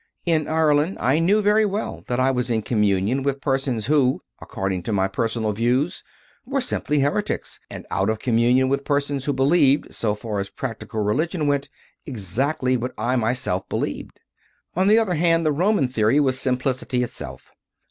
In Ireland I knew very well that I was in communion with persons who, according to my personal views, were simply heretics, and out of communion with persons who believed, so far as practical religion went, exactly what I myself be lieved. On the other hand, the Roman theory was simplicity itself.